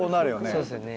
そうですよね。